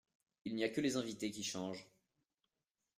Il n'y a que les invités qui changent.